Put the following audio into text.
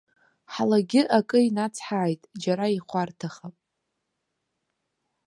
Ҳлагьы акы инацҳааит, џьара ихәарҭахап.